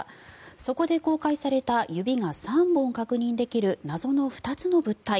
そこで公開された指が３本確認できる謎の２つの物体。